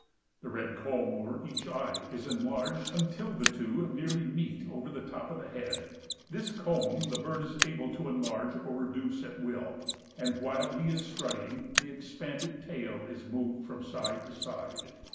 The red comb over each eye is enlarged until the two nearly meet over the top of the head. This comb the bird is able to enlarge or reduce at will, and while he is strutting the expanded tail is moved from side to side.